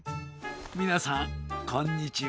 みなさんこんにちは。